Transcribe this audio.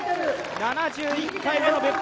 ７１回目の別府